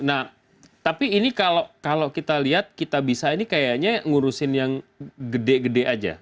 nah tapi ini kalau kita lihat kitabisa ini kayaknya ngurusin yang gede gede aja